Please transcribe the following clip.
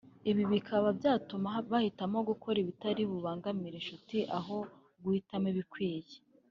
ibi bikaba byatuma bahitamo gukora ibitari bubangamire inshuti aho guhitamo ibikwiye